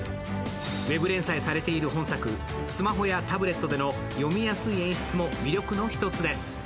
ウェブ連載されている本作、スマホやタブレットでの読みやすい演出も魅力の１つです。